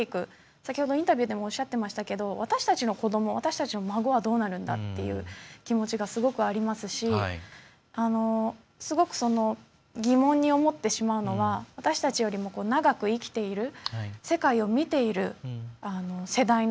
先ほどインタビューでもおっしゃってましたけど私たちの子ども、私たちの孫はどうなるんだという気持ちはすごくありますしすごく、疑問に思ってしまうのは私たちよりも長く生きている世界を見ている世代の